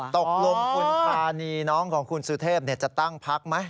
ตกลงคุณธานีน้องของคุณสุเทพจะตั้งพักไหม